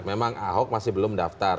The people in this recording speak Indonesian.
memang ahok masih belum daftar